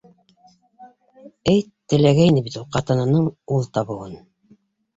Эй теләгәйне бит ул ҡатынының ул табыуын!